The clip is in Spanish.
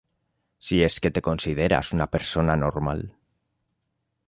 si es que te consideras una persona normal